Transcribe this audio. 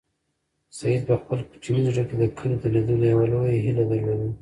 سعید په خپل کوچني زړه کې د کلي د لیدلو یوه لویه هیله درلوده.